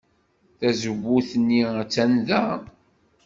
Tazewwut-nni attan da.